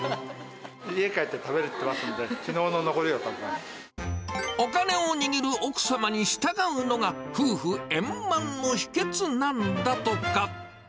家帰って食べるって言ってまお金を握る奥様に従うのが、夫婦円満の秘けつなんだとか。